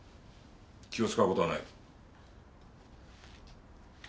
気を使う事はない。